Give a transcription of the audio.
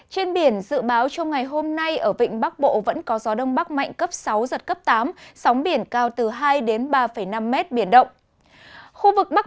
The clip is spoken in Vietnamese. trên biển dự báo trong ngày hôm nay ở vịnh bắc bộ vẫn có gió đông bắc mạnh cấp sáu giật cấp tám